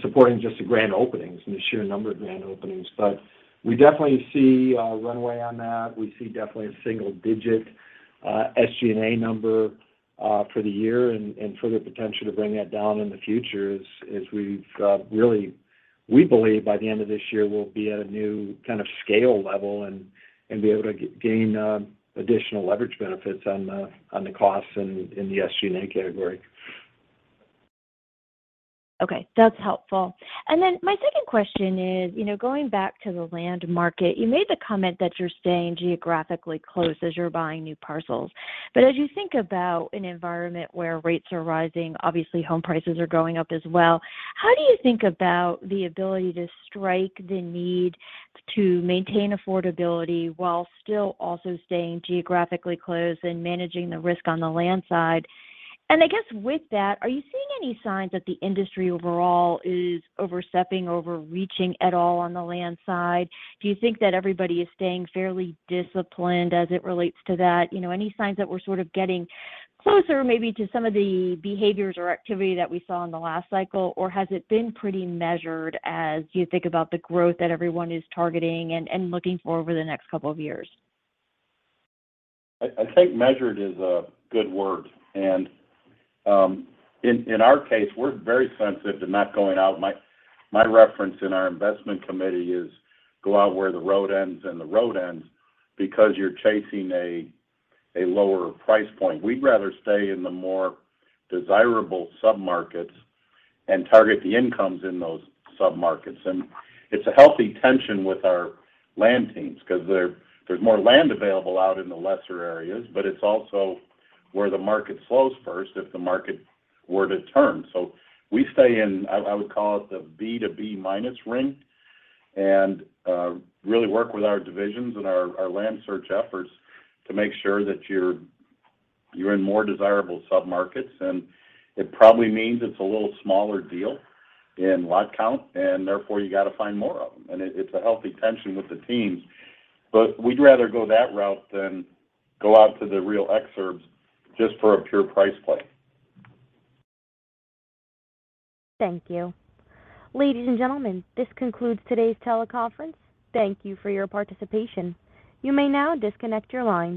supporting just the grand openings and the sheer number of grand openings. But we definitely see runway on that. We see definitely a single digit SG&A number for the year and further potential to bring that down in the future as we've really We believe by the end of this year, we'll be at a new kind of scale level and be able to gain additional leverage benefits on the costs in the SG&A category. Okay, that's helpful. My second question is, you know, going back to the land market, you made the comment that you're staying geographically close as you're buying new parcels. As you think about an environment where rates are rising, obviously home prices are going up as well. How do you think about the ability to strike the need to maintain affordability while still also staying geographically close and managing the risk on the land side? I guess with that, are you seeing any signs that the industry overall is overstepping, overreaching at all on the land side? Do you think that everybody is staying fairly disciplined as it relates to that? You know, any signs that we're sort of getting closer maybe to some of the behaviors or activity that we saw in the last cycle, or has it been pretty measured as you think about the growth that everyone is targeting and looking for over the next couple of years? I think measured is a good word. In our case, we're very sensitive to not going out. My reference in our investment committee is go out where the road ends because you're chasing a lower price point. We'd rather stay in the more desirable submarkets and target the incomes in those submarkets. It's a healthy tension with our land teams 'cause there's more land available out in the lesser areas, but it's also where the market slows first if the market were to turn. We stay in, I would call it the B to B minus ring and really work with our divisions and our land search efforts to make sure that you're in more desirable submarkets. It probably means it's a little smaller deal in lot count, and therefore you got to find more of them. It's a healthy tension with the teams. We'd rather go that route than go out to the real exurbs just for a pure price play. Thank you. Ladies and gentlemen, this concludes today's teleconference. Thank you for your participation. You may now disconnect your lines.